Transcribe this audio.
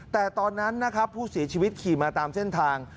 แต่ตอนนั้นนะครับผู้เสียชีวิตขี่มาตามเส้นทาง